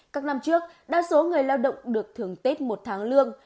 các năm trước đa số người lao động được thường tết một tháng lương